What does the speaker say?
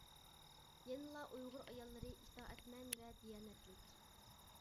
يەنىلا ئۇيغۇر ئاياللىرى ئىتائەتمەن ۋە دىيانەتلىك.